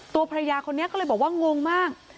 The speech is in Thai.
ตัวภรรยาคนนี้ก็เลยบอกว่างงมาก